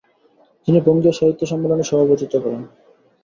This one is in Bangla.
তিনি বঙ্গীয় সাহিত্য সম্মেলনের সভাপতিত্ব করেন।